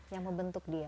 yang membentuk dia